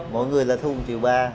mỗi người là thu một ba triệu